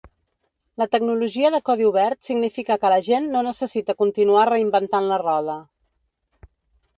La tecnologia de codi obert significa que la gent no necessita continuar reinventant la roda.